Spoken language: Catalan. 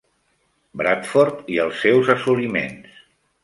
Bradford i els seus assoliments.